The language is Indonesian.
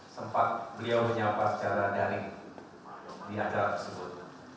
sempat beliau menyapa secara daring di acara tersebut